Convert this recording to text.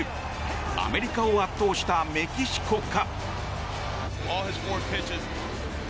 アメリカを圧倒したメキシコか。